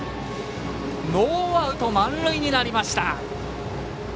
ノーアウト満塁になりました。